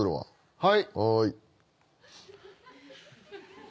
はい。